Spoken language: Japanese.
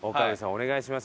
お願いします。